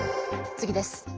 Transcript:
次です。